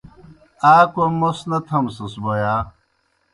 آ کوْم موْس نہ تھمسَس بوْ یا؟